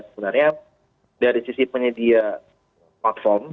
sebenarnya dari sisi penyedia platform